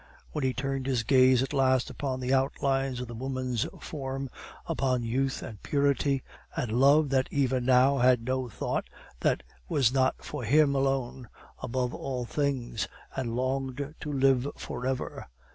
Then he turned his gaze at last upon the outlines of the woman's form, upon youth and purity, and love that even now had no thought that was not for him alone, above all things, and longed to live for ever.